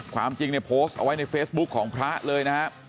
ความจริงเนี่ยโพสต์เอาไว้ในเฟซบุ๊คของพระเลยนะครับ